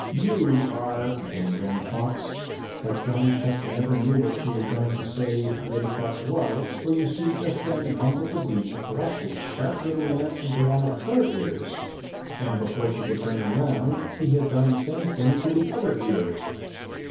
"You are " began Granny Fox, but Johnny Chuck never knew what she was going to say Reddy Fox was, for you see just then Bumble the Bee thrust his sharp little lance into one of her ears, and before she could turn around he had done the same thing to the other ear.